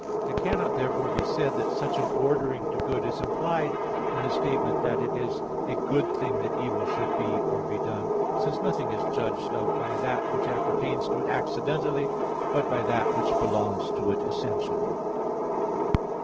It cannot therefore be said that such an ordering to good is implied in the statement that it is a good thing that evil should be or be done, since nothing is judged of by that which appertains to it accidentally, but by that which belongs to it essentially.